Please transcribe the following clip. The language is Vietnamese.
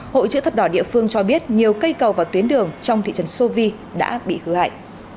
hội chữ thập đỏ địa phương cho biết nhiều cây cầu và tuyến đường trong thị trấn sovi đã bị hư hại